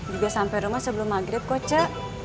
juga sampe rumah sebelum maghrib kok ce